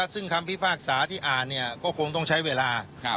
ซึ่งคำพิพากษาที่อ่านก็คงต้องใช้เวลา